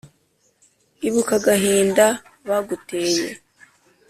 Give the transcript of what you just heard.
Ibuka agahinda baguteye !